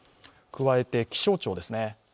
加えて気象庁です。